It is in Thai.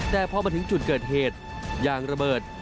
แต่พอมาถึงจุดเกิดเหตุยางระเบิด